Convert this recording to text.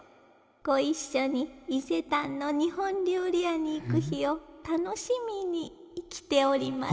ご一緒に伊勢丹の日本料理屋に行く日を楽しみに生きております」。